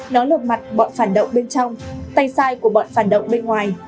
nó lột mặt bọn phản động bên trong tay sai của bọn phản động bên ngoài